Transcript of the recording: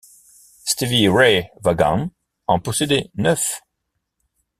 Stevie Ray Vaughan en possédait neuf.